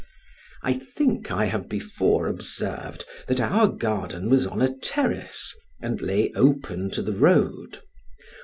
I think I have before observed that our garden was on a terrace, and lay open to the road.